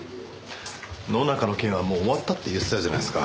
野中の件はもう終わったって言ってたじゃないですか。